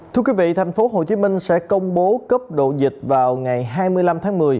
thưa quý vị tp hcm sẽ công bố cấp độ dịch vào ngày hai mươi năm tháng một mươi